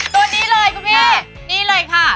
ตัวนี้เลยคุณพี่นี่เลยค่ะ